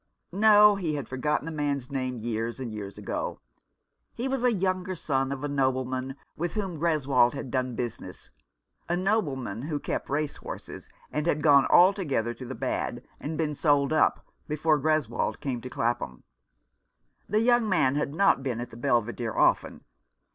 No, he had forgotten the man's name years and years ago. He was a younger son of a nobleman with whom Greswold had done business — a noble man who kept racehorses and had gone altogether to the bad, and been sold up, before Greswold came to Clapham. The young man had not been at the Belvidere often.